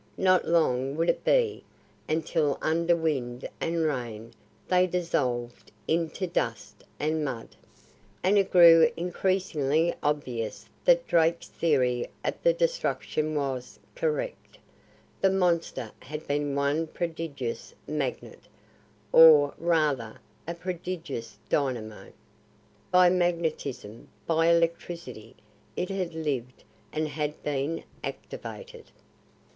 Not long would it be until under wind and rain they dissolved into dust and mud. And it grew increasingly obvious that Drake's theory of the destruction was correct. The Monster had been one prodigious magnet or, rather, a prodigious dynamo. By magnetism, by electricity, it had lived and had been activated.